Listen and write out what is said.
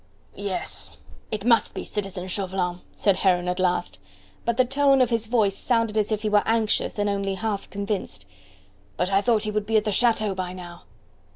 "Yes, it must be citizen Chauvelin," said Heron at last; but the tone of his voice sounded as if he were anxious and only half convinced; "but I thought he would be at the chateau by now."